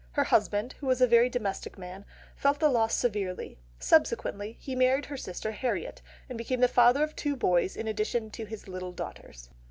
Her husband, who was a very domestic man, felt the loss severely; subsequently he married her sister Harriet, and became the father of two boys in addition to his little daughters.